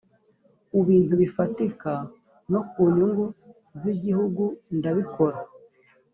ku bintu bifatika no ku nyungu z’igihugu ndabikora